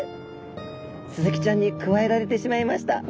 スズキちゃんにくわえられてしまいました。